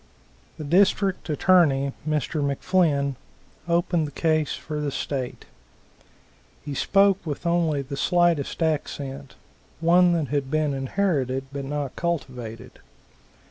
The District Attorney, Mr. McFlinn, opened the case for the state. He spoke with only the slightest accent, one that had been inherited but not cultivated.